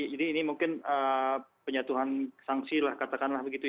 jadi ini mungkin penyatuan sanksi lah katakanlah begitu ya